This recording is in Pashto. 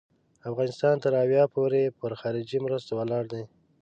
افغانستان تر اویا پوري پر خارجي مرستو ولاړ دی.